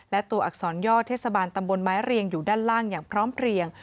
และตัวอักษรย่อเทศบาลตำบลไม้เรียงอยู่ด้านล่างอย่างพร้อมเพลียง